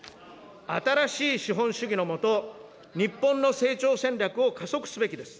新しい資本主義の下、日本の成長戦略を加速すべきです。